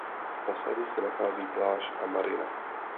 V osadě se nachází pláž a marina.